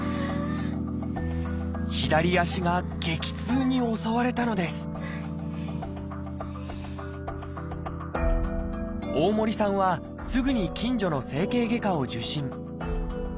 左足が激痛に襲われたのです大森さんはすぐに近所の整形外科を受診。